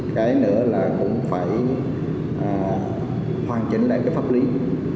cái nữa là cũng phải hoàn chỉnh lại cái pháp lý